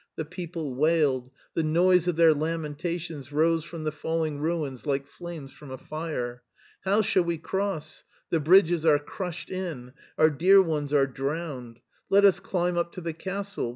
The people wailed; the noise of their lamentations rose from the falling ruins like flames from a fire. "How shall we cross? The bridges are crushed in. Our dear ones are drowned. Let us climb up to the castle.